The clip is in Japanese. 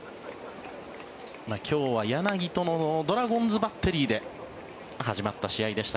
今日は柳とのドラゴンズバッテリーで始まった試合でした。